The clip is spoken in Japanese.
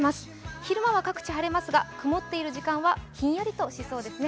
昼間は各地晴れますが曇っている時間はひんやりしそうですね。